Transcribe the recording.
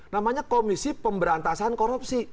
namanya komisi pemberantasan korupsi